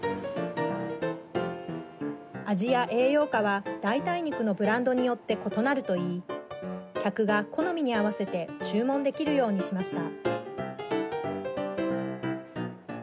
味や栄養価は代替肉のブランドによって異なるといい客が好みに合わせて注文できるようにしました。